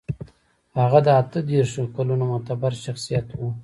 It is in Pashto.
هغه د اتو دېرشو کلونو معتبر شخصيت و.